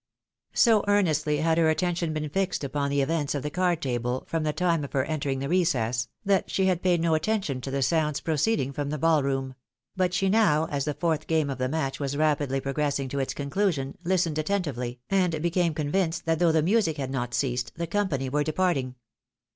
AN EMBARHASSING QUERY. 369 So earnestly had her attention been fixed upon the events of the card table, from the time of her entering the recess, that she had paid no attention to the sounds proceeding from the baU room ; but she now, as the fourth game of the match was rapidly progressing to its conclusion, listened attentively, and became convinced that though the music had not ceased, the company were departing.